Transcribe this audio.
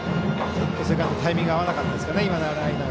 ちょっとセカンドタイミング合わなかったですかね。